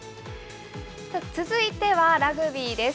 続いては、ラグビーです。